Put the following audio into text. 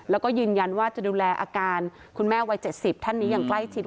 แล้วก็ยืนยันว่าจะดูแลอาการคุณแม่วัย๗๐ท่านนี้อย่างใกล้ชิด